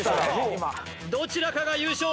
今どちらかが優勝